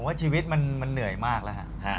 ว่าชีวิตมันเหนื่อยมากแล้วฮะ